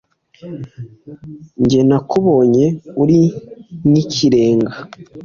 Jye nakubonye uri nk’ikirenga